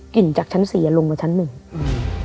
จากชั้นสี่อ่ะลงมาชั้นหนึ่งอืม